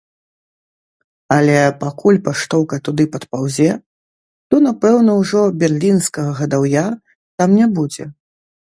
Але пакуль паштоўка туды падпаўзе, то напэўна ўжо берлінскага гадаўя там не будзе.